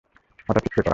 অর্থাৎ স্প্রে করা।